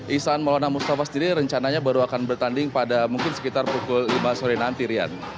ihsan maulana mustafa sendiri rencananya baru akan bertanding pada mungkin sekitar pukul lima sore nanti rian